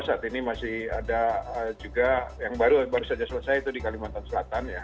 saat ini masih ada juga yang baru saja selesai itu di kalimantan selatan ya